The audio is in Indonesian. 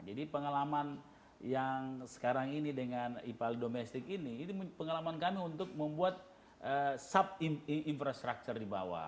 jadi pengalaman yang sekarang ini dengan ipaldomestik ini ini pengalaman kami untuk membuat sub infrastructure di bawah